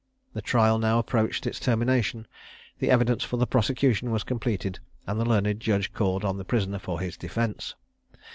The trial now approached its termination; the evidence for the prosecution was completed, and the learned judge called on the prisoner for his defence.